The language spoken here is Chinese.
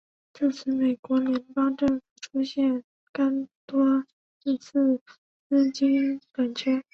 自此美国联邦政府出现廿多次次资金短缺。